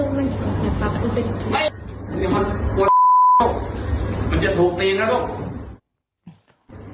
ไม่อยากเชื่อมึงอย่ากลับตัวไป